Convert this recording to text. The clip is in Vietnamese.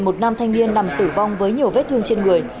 một nam thanh niên nằm tử vong với nhiều vết thương trên người